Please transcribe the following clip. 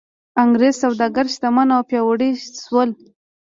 انګرېز سوداګر شتمن او پیاوړي شول.